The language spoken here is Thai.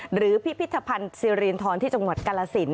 พิพิธภัณฑ์ซีรีนทรที่จังหวัดกาลสิน